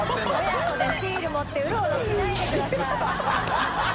親子でシール持ってうろうろしないでください。